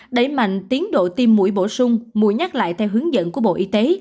đẩy mạnh tiến độ tiêm mũi bổ sung mùi nhắc lại theo hướng dẫn của bộ y tế